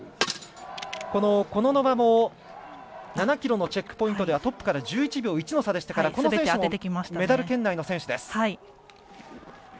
コノノバも７ｋｍのチェックポイントではトップから１１秒１の差でしたからこの選手もメダル圏内の選手です。